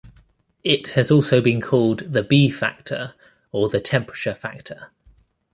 It has also been called the B factor or the temperature factor.